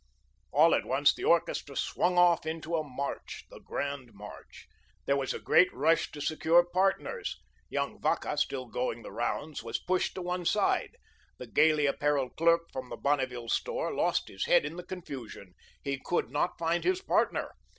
All at once the orchestra swung off into a march the Grand March. There was a great rush to secure "partners." Young Vacca, still going the rounds, was pushed to one side. The gayly apparelled clerk from the Bonneville store lost his head in the confusion. He could not find his "partner."